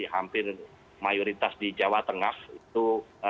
hampir mayoritas di jawa tengah itu